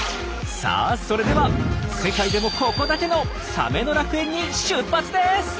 さあそれでは世界でもココだけのサメの楽園に出発です！